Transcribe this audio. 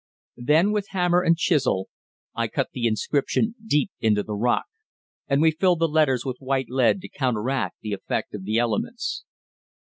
Then with hammer and chisel I cut the inscription deep into the rock, and we filled the letters with white lead to counteract the effect of the elements.